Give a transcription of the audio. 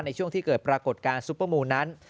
ในช่วงที่เกิดปรากฏการณ์ซุปเปอร์มูลนั้น